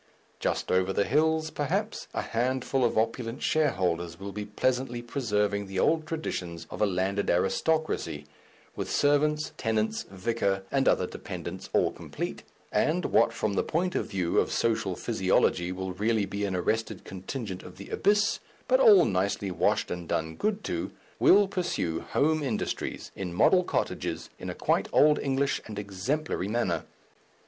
Just over the hills, perhaps, a handful of opulent shareholders will be pleasantly preserving the old traditions of a landed aristocracy, with servants, tenants, vicar, and other dependents all complete, and what from the point of view of social physiology will really be an arrested contingent of the Abyss, but all nicely washed and done good to, will pursue home industries in model cottages in a quite old English and exemplary manner.